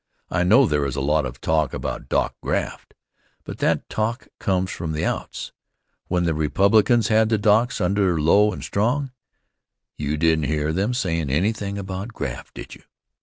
I know there is a lot of talk about dock graft, but that talk comes from the outs. When the Republicans had the docks under Low and Strong, you didn't hear them sayin' anything about graft, did you?